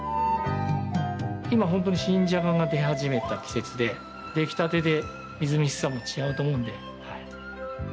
今ホントに新じゃがが出始めた季節で出来たてでみずみずしさも違うと思うので。